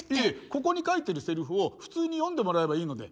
ここに書いてるセリフを普通に読んでもらえばいいので。